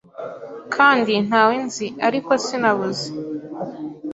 Kandi ntawe nzi ariko sinabuze